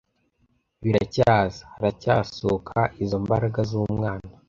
Biracyaza, haracyasohoka izo mbaraga zumwana,